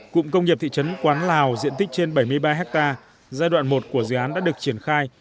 cụm công nghiệp thị trấn quán lào diện tích trên bảy mươi ba hectare giai đoạn một của dự án đã được triển khai